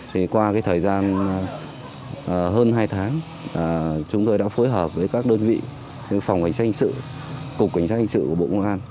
thì qua cái thời gian hơn hai tháng chúng tôi đã phối hợp với các đơn vị phòng quảnh sát hình sự cục quảnh sát hình sự của bộ công an